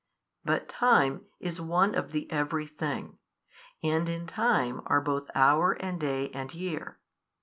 But time is one of |526 the every thing; and in time are both hour and day and year.